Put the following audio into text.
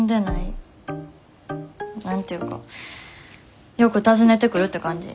何て言うかよく訪ねてくるって感じ。